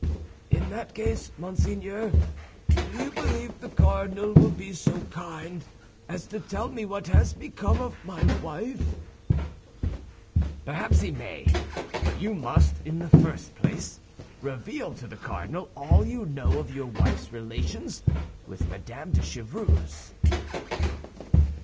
"In that case, monseigneur, do you believe the cardinal will be so kind as to tell me what has become of my wife?" "Perhaps he may; but you must, in the first place, reveal to the cardinal all you know of your wife's relations with Madame de Chevreuse."